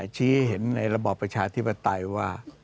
ชี้เห็นในระบอบประชาธิปไตยว่า